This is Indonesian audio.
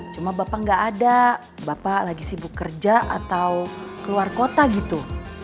cuma bapak nggak ada bapak lagi sibuk kerja atau keluar kota gitu